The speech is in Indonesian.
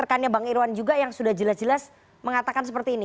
rekannya bang irwan juga yang sudah jelas jelas mengatakan seperti ini